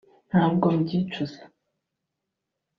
ntabwo mbyicuza